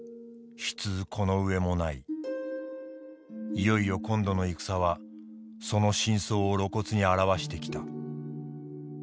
いよいよ今度の戦はその真相を露骨に現してきた」。